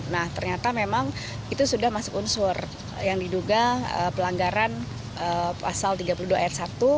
nah ternyata memang itu sudah masuk unsur yang diduga pelanggaran pasal tiga puluh dua ayat satu